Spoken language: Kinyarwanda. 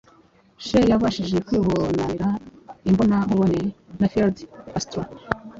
che yabashije kwibonanira imbona nkubone na fidel castro